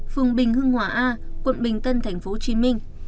phường bình hương hỏa a quận bình tân tp hcm